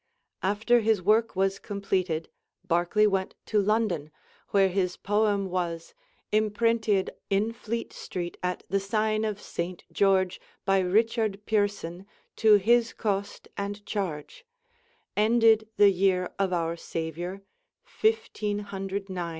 After his work was completed Barclay went to London, where his poem was "imprentyd ... in Fleet Street at the signe of Saynt George by Rycharde Pyreson to hys Coste and charge: ended the yere of our Saviour MDIX.